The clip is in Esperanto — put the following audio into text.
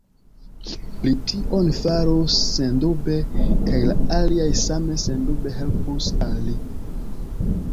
Li tion farus sendube, kaj la aliaj same sendube helpus al li.